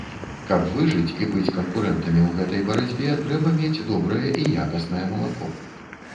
Каб выжыць і быць канкурэнтамі ў гэтай барацьбе, трэба мець добрае і якаснае малако.